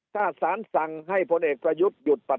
ถ้าสารสั่งให้พลเอกประยุทธ์หยุดปฏิ